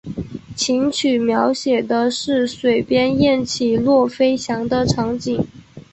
琴曲描写的是水边雁起落飞翔的场景。